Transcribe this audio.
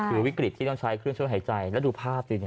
คือวิกฤตที่ต้องใช้เครื่องช่วยหายใจแล้วดูภาพสิ